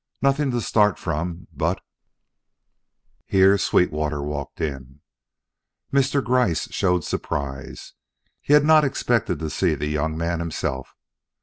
"Nothing to start from but " Here Sweetwater walked in. Mr. Gryce showed surprise. He had not expected to see the young man himself.